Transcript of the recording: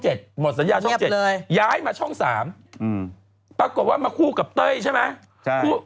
หมดสัญญาช่อง๗ย้ายมาช่อง๓ปรากฏว่ามาคู่กับเต้ยใช่ไหม